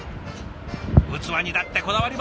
器にだってこだわります。